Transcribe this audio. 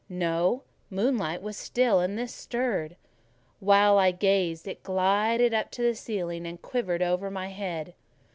No; moonlight was still, and this stirred; while I gazed, it glided up to the ceiling and quivered over my head.